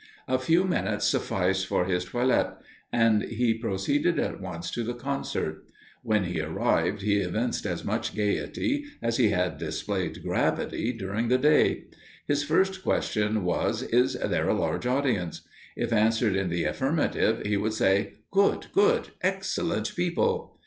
A few minutes sufficed for his toilet, and he proceeded at once to the concert. When he arrived he evinced as much gaiety, as he had displayed gravity during the day. His first question was "is there a large audience?" If answered in the affirmative, he would say, "good good! excellent people!"